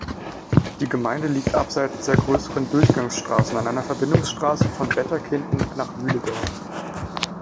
Die Gemeinde liegt abseits der grösseren Durchgangsstrassen an einer Verbindungsstrasse von Bätterkinden nach Mühledorf.